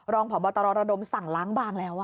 รองพบตรระดมสั่งล้างบางแล้ว